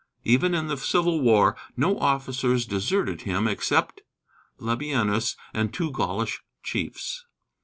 Even in the Civil War no officers deserted him except Labienus and two Gaulish chiefs.